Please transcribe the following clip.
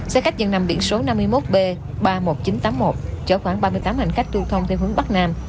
xe khách dân nằm biển số năm mươi một b ba mươi một nghìn chín trăm tám mươi một chở khoảng ba mươi tám hành khách lưu thông theo hướng bắc nam